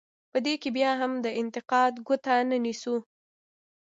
په دې کې بیا هم د انتقاد ګوته نه نیسو.